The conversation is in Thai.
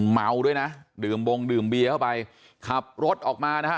เมาด้วยนะดื่มบงดื่มเบียเข้าไปขับรถออกมานะฮะ